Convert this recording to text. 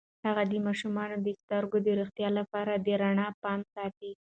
هغه د ماشومانو د سترګو د روغتیا لپاره د رڼا پام ساتي.